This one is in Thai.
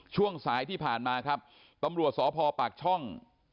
ช่วงสายที่ผ่านมาครับตำรวจสพปากช่อง